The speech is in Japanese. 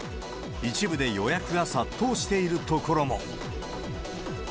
一部で予約が殺到している所も。